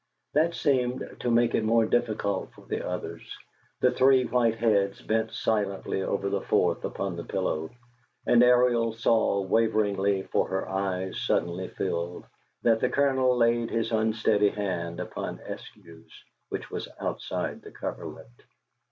That seemed to make it more difficult for the others; the three white heads bent silently over the fourth upon the pillow; and Ariel saw waveringly, for her eyes suddenly filled, that the Colonel laid his unsteady hand upon Eskew's, which was outside the coverlet.